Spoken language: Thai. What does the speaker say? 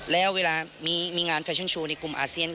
แล้วเวลามีงานแฟชั่นโชว์ในกลุ่มอาเซียน